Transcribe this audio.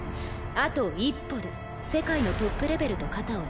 あと一歩で世界のトップレベルと肩を並べる。